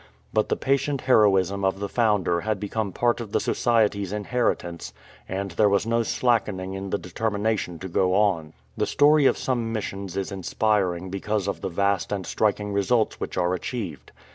But the patient heroism of the founder had become part of the Society's inheritance, and there was no slackening in the determination to go on. The story of some Missions is inspiring because of the vast and striking results which are achieved.